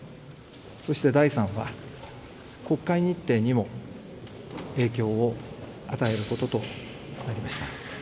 そして第３は、国会日程にも影響を与えることとなりました。